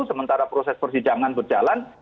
sementara proses persidangan berjalan